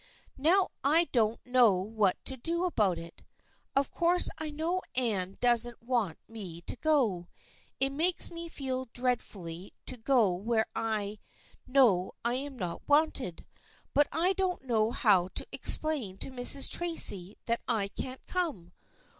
Now I don't know what to do about it. Of course I know Anne doesn't want me to go. It makes me feel dread fully to go where I know I am not wanted, but I don't know how to explain to Mrs. Tracy that I can't come.